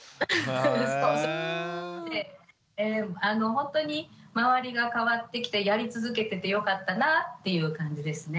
ほんとに周りが変わってきてやり続けててよかったなっていう感じですね。